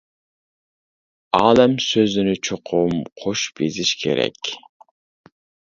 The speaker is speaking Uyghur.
ئالەم سۆزىنى چوقۇم قوشۇپ يېزىش كېرەك.